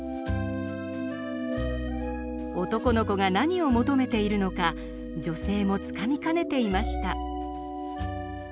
男の子が何を求めているのか女性もつかみかねていました。